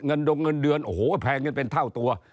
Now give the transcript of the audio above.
ดงเงินเดือนโอ้โหแพงกันเป็นเท่าตัว